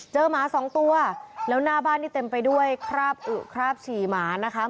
หมาสองตัวแล้วหน้าบ้านนี่เต็มไปด้วยคราบอึคราบฉี่หมานะคะ